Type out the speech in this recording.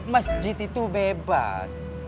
masjid itu bebas